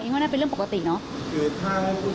อิงว่าน่ะเป็นเรื่องปกติเนอะ